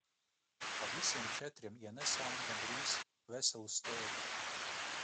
Pa visiem četriem ienesām gandrīz veselu stēri.